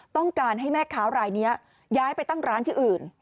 ต้องการให้แม่ค้ารายนี้ย้ายไปตั้งร้านที่อื่น